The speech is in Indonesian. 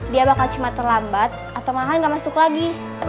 dia bakal cuma terlambat atau malahan gak masuk lagi